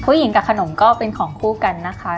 ผู้หญิงกับขนมก็เป็นของคู่กันนะคะ